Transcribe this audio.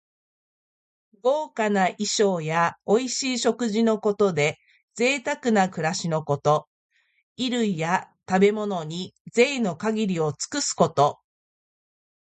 豪華な衣装やおいしい食事のことで、ぜいたくな暮らしのこと。衣類や食べ物に、ぜいの限りを尽くすこと。